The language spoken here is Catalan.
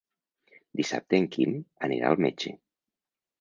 Dissabte en Quim anirà al metge.